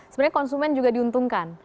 sebenarnya konsumen juga diuntungkan